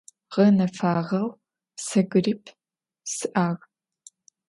Ğenefağeu, se gripp si'ag.